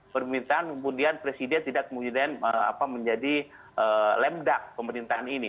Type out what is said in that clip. permintaan kemudian presiden tidak kemudian menjadi lemdak pemerintahan ini